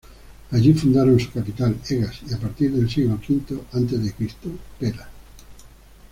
Allí fundaron su capital, Egas y, a partir del siglo V a. C., Pella.